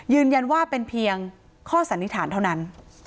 ยืนยันว่าเป็นเพียงข้อสันนิษฐานเท่านั้น